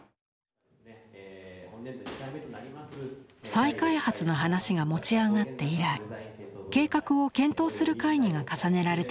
再開発の話が持ち上がって以来計画を検討する会議が重ねられてきました。